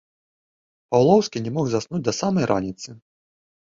Паўлоўскі не мог заснуць да самай раніцы.